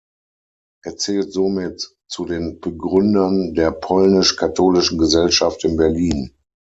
Er zählt somit zu den Begründern der Polnisch-katholischen Gesellschaft in Berlin.